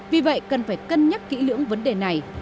vì vậy cần phải cân nhắc kỹ lưỡng vấn đề này